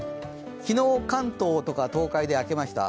昨日、関東とか東海で明けました。